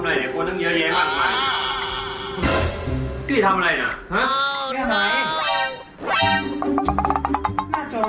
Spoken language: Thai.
ทำอะไรเนี่ยตัวนึงเยอะแยะมาก